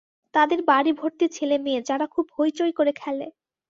তাদের বাড়িভর্তি ছেলেমেয়ে, যারা খুব হৈচৈ করে খেলে।